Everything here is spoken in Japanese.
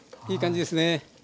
いい感じですね。